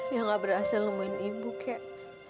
yang gak berhasil nemuin ibu kak